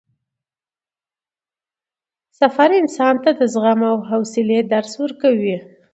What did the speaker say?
سفر انسان ته د زغم او حوصلې درس ورکوي